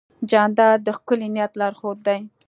جانداد د ښکلي نیت لارښود دی.